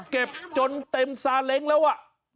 เก็บจนเต็มซาเล้งแล้ว